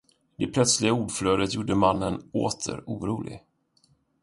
Det plötsliga ordflödet gjorde mannen åter orolig.